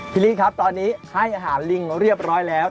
ลิครับตอนนี้ให้อาหารลิงเรียบร้อยแล้ว